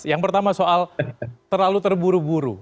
yang pertama soal terlalu terburu buru